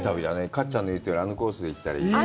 かっちゃんの言ってるあのコースで行ったらいい。